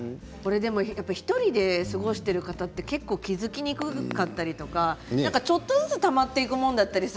１人で過ごしている方は結構、気付きにくかったりちょっとずつたまっていくもんですよね